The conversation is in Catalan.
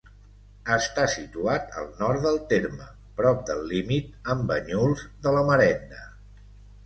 Està situat al nord del terme, prop del límit amb Banyuls de la Marenda.